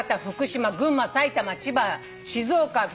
福島群馬埼玉千葉静岡